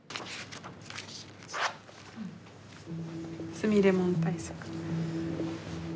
すみれもん対策。